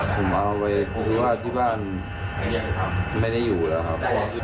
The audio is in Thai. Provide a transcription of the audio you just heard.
ผมเอาไปเพราะว่าที่บ้านไม่ได้อยู่แล้วครับ